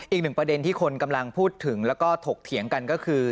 อีกหนึ่งประเด็นที่คนกำลังพูดถึงแล้วก็ถกเถียงกันก็คือ